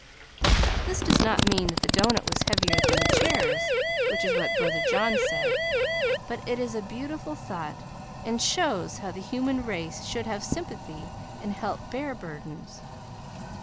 This does not mean that the doughnut was heavier than the chairs which is what brother John said, but it is a beautiful thought and shows how the human race should have sympathy, and help bear burdens.